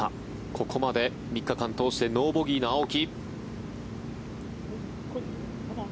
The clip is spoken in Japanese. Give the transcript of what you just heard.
ここまで３日間通してノーボギーの青木。